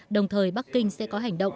đồng thời bắc kinh sẽ có hành động